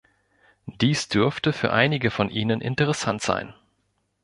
Dies dürfte für einige von Ihnen interessant sein.